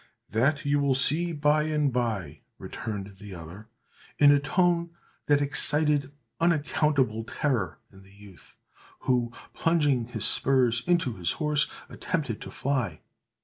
"That you will see by and by!" returned the other, in a tone that excited unaccountable terror in the youth, who, plunging his spurs into his horse, attempted to fly.